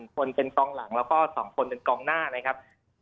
คนเป็นกองหลังแล้วก็๒คนเป็นกองหน้านะครับ